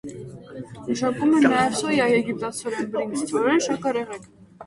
Մշակում են նաև սոյա, եգիպտացորեն, բրինձ, ցորեն, շաքարեղեգ։